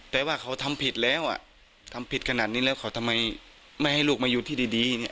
แต่ว่าเขาทำผิดแล้วอ่ะทำผิดขนาดนี้แล้วเขาทำไมไม่ให้ลูกมาอยู่ที่ดีเนี่ย